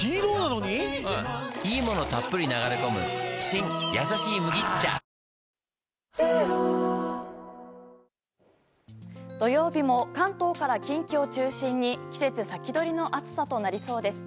日中は化粧崩れするほどの土曜日も関東から近畿を中心に季節先取りの暑さとなりそうです。